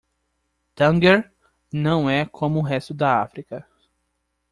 Tânger não é como o resto da África.